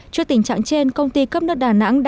trước tình trạng trên công ty cấp nước đà nẵng đã